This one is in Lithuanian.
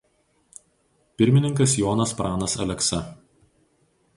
Pirmininkas Jonas Pranas Aleksa.